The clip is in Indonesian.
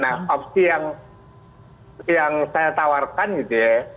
nah opsi yang saya tawarkan gitu ya